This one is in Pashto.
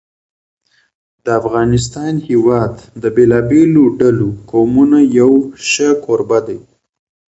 د افغانستان هېواد د بېلابېلو ډولو قومونو یو ښه کوربه دی.